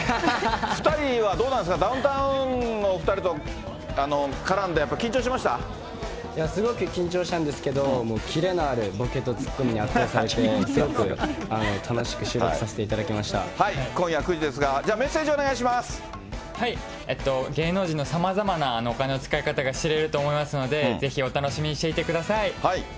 ２人はどうなんですか、ダウンタウンのお２人と絡んでやっぱり緊すごく緊張したんですけど、キレのあるボケとツッコミに圧倒されて、すごく楽しく収録させて今夜９時ですが、じゃあメッ芸能人のさまざまなお金の使い方が知れると思いますので、ぜひお楽しみにしていてください。